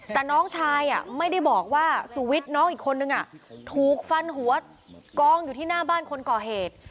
แต่น้องชายไม่ได้บอกว่าสุวิทย์น้องอีกคนนึงถูกฟันหัวกองอยู่ที่หน้าบ้านคนก่อเหตุ